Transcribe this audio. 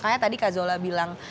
karena tadi kak zola bilang